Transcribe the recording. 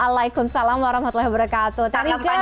waalaikumsalam warahmatullahi wabarakatuh